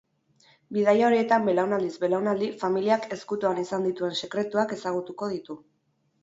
Bidaia horietan belaunaldiz belaunaldi familiak ezkutuan izan dituen sekretuak ezagutuko ditu.